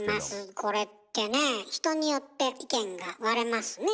これってね人によって意見が割れますね。